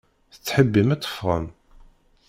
Tettḥibbim ad teffɣem?